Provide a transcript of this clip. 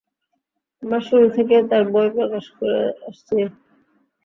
আমরা শুরু থেকেই তার বই প্রকাশ করে আসছি।